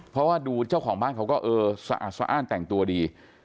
เพราะว่าดูเจ้าของบ้านเขาก็เออสะอาดสะอ้านแต่งตัวดี